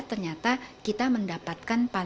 ternyata kita mendapatkan